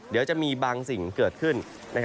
เดี๋ยวจะมีบางสิ่งเกิดขึ้น